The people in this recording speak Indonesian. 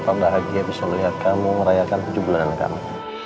tata bahagia bisa melihat kamu merayakan tujuh bulan kamu